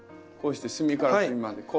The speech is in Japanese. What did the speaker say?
こうして隅から隅まで。